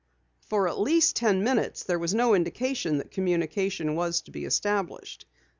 For at least ten minutes there was no indication that communication was to be established.